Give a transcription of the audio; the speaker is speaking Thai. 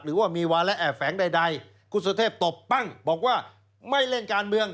หรือว่ามีวาระแอบแฝงใดคุณสุเทพตบปั้งบอกว่าไม่เล่นการเมือง